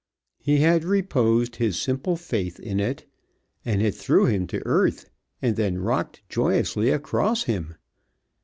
He had reposed his simple faith in it, and it threw him to earth, and then rocked joyously across him.